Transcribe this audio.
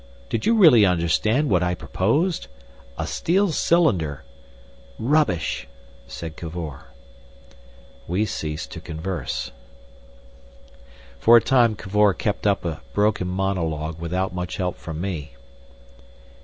Did you really understand what I proposed? A steel cylinder—" "Rubbish!" said Cavor. We ceased to converse. For a time Cavor kept up a broken monologue without much help from me.